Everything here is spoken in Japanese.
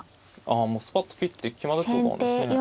あもうスパッと切って決まるってことなんですね。